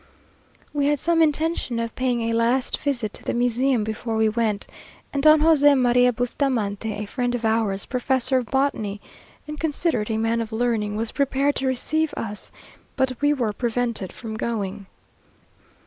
We had some intention of paying a last visit to the Museum before we went; and Don José María Bustamante, a friend of ours, professor of botany, and considered a man of learning, was prepared to receive us; but we were prevented from going.